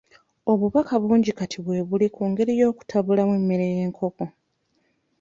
Obubaka bungi kati weebuli ku ngeri y'okutabulamu emmere y'enkoko.